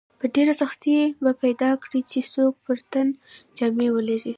په ډېرې سختۍ به پیدا کړې چې څوک پر تن جامې ولري.